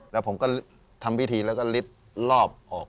แล้วผมก็ทำพิธีแล้วก็ลิดรอบออก